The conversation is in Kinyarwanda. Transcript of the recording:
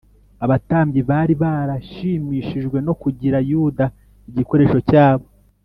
abatambyi bari barashimishijwe no kugira yuda igikoresho cyabo;